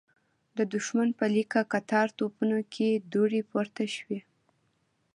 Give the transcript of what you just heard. د دښمن په ليکه کتار توپونو کې دوړې پورته شوې.